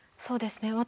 そうですね